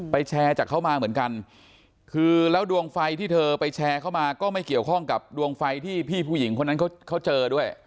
แชร์จากเขามาเหมือนกันคือแล้วดวงไฟที่เธอไปแชร์เข้ามาก็ไม่เกี่ยวข้องกับดวงไฟที่พี่ผู้หญิงคนนั้นเขาเจอด้วย